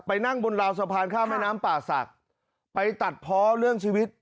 นั่งบนราวสะพานข้ามแม่น้ำป่าศักดิ์ไปตัดเพาะเรื่องชีวิต